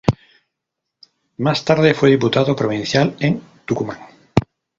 Más tarde fue diputado provincial en Tucumán.